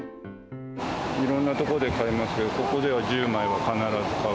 いろんな所で買いますけど、ここでは１０枚は必ず買う。